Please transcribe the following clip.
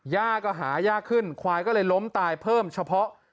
ย่าก็หายากขึ้นควายก็เลยล้มตายเพิ่มเฉพาะ